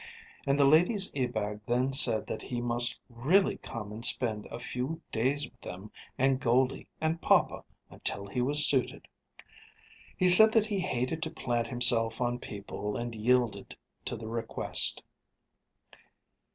And the ladies Ebag then said that he must really come and spend a few days with them and Goldie and papa until he was "suited." He said that he hated to plant himself on people, and yielded to the request.